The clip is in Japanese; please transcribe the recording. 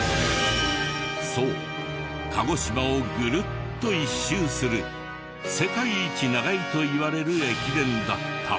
そう鹿児島をグルッと一周する世界一長いといわれる駅伝だった。